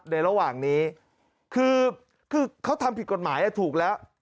ระหว่างนี้คือเขาทำผิดกฎหมายถูกแล้ว